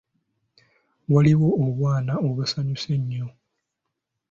Waliwo obwana obusanyusa ennyo.